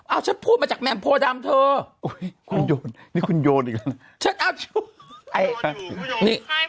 อ้าวฉันพูดมาจากแม่งโพดำเถอะนี่คุณโยนอีกแล้วนะ